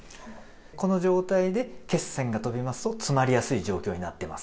この状態で血栓が出来ると、詰まりやすい状況になってます。